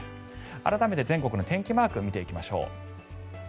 改めて全国の天気マーク見ていきましょう。